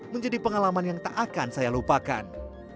menjadi pengalaman yang tak akan saya lupakan